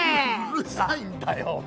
うるさいんだよお前！